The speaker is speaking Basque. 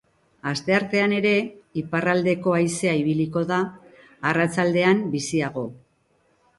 Asteartean ere, iparraldeko haizea ibiliko da, arratsaldean biziago.